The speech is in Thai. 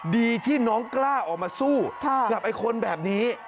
ดีที่น้องกล้าออกมาสู้กับไอ้คนแบบนี้